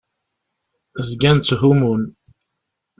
Zgan tthumun.